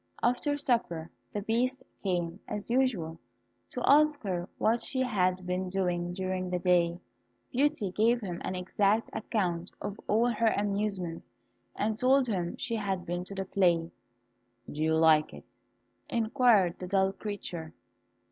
After supper, the Beast came, as usual, to ask her what she had been doing during the day. Beauty gave him an exact account of all her amusements, and told him she had been to the play. "Do you like it?" inquired the dull creature.